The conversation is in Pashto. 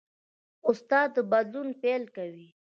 استاد د بدلون پیل کوي.